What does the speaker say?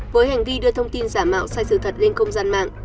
với hành vi đưa thông tin giả mạo sai sự thật lên không gian mạng